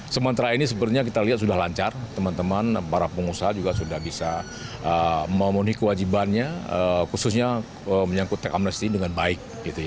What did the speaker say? sementara ini sebenarnya kita lihat sudah lancar teman teman para pengusaha juga sudah bisa memenuhi kewajibannya khususnya menyangkut tech amnesty dengan baik